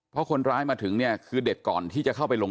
เพราะคนร้ายมาถึงเนี่ยคือเด็กก่อนที่จะเข้าไปลง